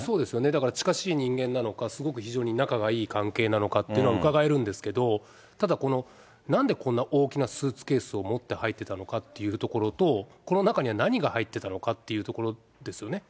だから、近しい人間なのか、すごく非常に仲がいい関係なのかということがうかがえるんですけど、ただ、なんでこんな大きなスーツケースを持って入ってたのかというところと、この中には何が入ってたのかっていうところですよね。